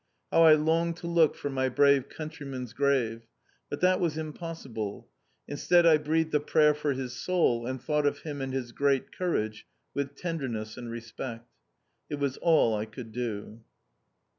How I longed to look for my brave countryman's grave! But that was impossible. Instead, I breathed a prayer for his soul, and thought of him and his great courage with tenderness and respect. It was all I could do.